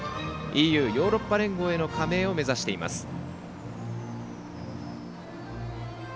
ＥＵ＝ヨーロッパ連合への加盟を目指しています。